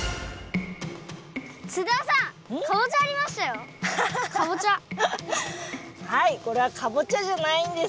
津田さんはいこれはかぼちゃじゃないんです。